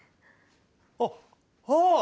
あっああっ！